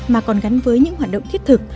mà còn gắn với những hoạt động thiết thực